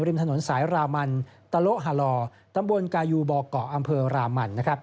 ริมถนนสายรามันตะโลฮาลอตำบลกายูบ่อเกาะอำเภอรามัน